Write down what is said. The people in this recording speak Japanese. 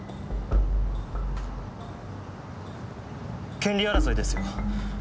権利争いですよ。